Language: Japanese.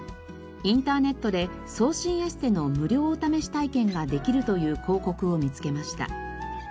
インターネットで痩身エステの無料お試し体験ができるという広告を見つけました。